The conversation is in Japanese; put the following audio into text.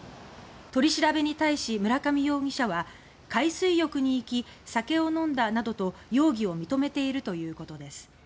取り調べに対し村上容疑者は「海水浴に行き酒を飲んだ」などと容疑を認めているということです。